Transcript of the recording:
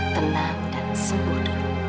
tenang dan sembuh dulu